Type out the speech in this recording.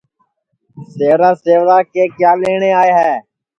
سیوا سیوا کے کیا لئیٹؔے آئے ہے